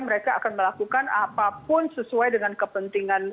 mereka akan melakukan apapun sesuai dengan kepentingan